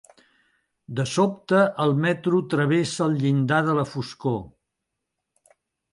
De sobte el metro travessa el llindar de la foscor.